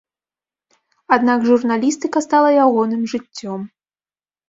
Аднак журналістыка стала ягоным жыццём.